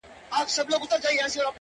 ټول عمر تكه توره شپه وي رڼا كډه كړې،